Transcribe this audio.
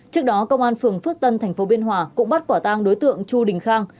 trước đó công an phường phước tân tp biên hòa cũng bắt quả tang đối tượng chu đình khang